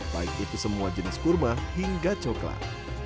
baik itu semua jenis kurma hingga coklat